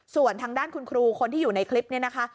ส่วนทางด้านคุณครูคนที่อยู่ในคลิปนี้นะคะ